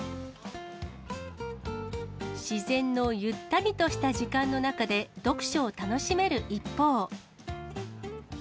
自然のゆったりとした時間の中で、読書を楽しめる一方。